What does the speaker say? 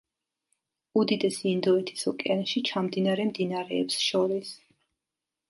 უდიდესი ინდოეთის ოკეანეში ჩამდინარე მდინარეებს შორის.